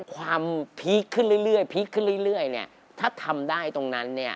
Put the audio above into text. ความพีคขึ้นเรื่อยถ้าทำได้ตรงนั้น